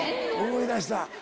思い出した。